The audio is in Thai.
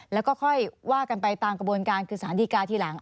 แล้วก็ค่อยว่ากันไปตามกระบวนการคือสารดีกาทีหลัง